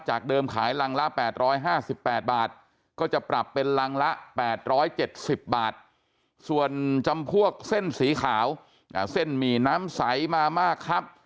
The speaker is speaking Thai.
เดิมขายรังละ๘๕๘บาทก็จะปรับเป็นรังละ๘๗๐บาทส่วนจำพวกเส้นสีขาวเส้นหมี่น้ำใสมามากครับ